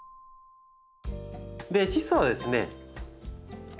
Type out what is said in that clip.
チッ素はですね。